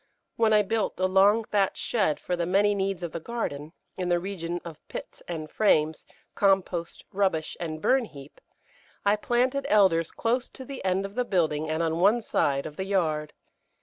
When I built a long thatched shed for the many needs of the garden, in the region of pits and frames, compost, rubbish and burn heap, I planted Elders close to the end of the building and on one side of the yard.